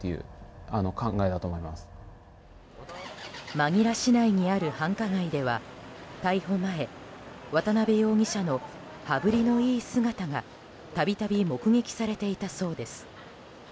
マニラ市内にある繁華街では逮捕前渡邉容疑者の羽振りのいい姿が度々目撃されていたそうです。